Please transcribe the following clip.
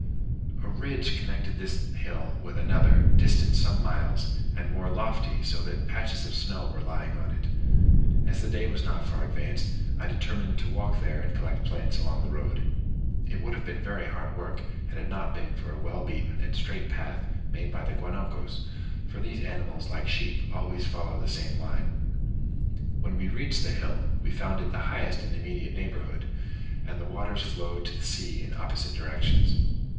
A ridge connected this hill with another, distant some miles, and more lofty, so that patches of snow were lying on it. As the day was not far advanced, I determined to walk there and collect plants along the road. It would have been very hard work, had it not been for a well beaten and straight path made by the guanacos; for these animals, like sheep, always follow the same line. When we reached the hill we found it the highest in the immediate neighbourhood, and the waters flowed to the sea in opposite directions.